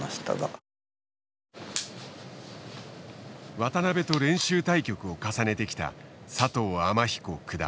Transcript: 渡辺と練習対局を重ねてきた佐藤天彦九段。